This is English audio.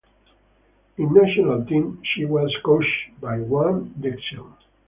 In national team, she was coached by Wang Dexian.